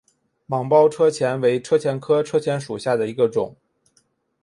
芒苞车前为车前科车前属下的一个种。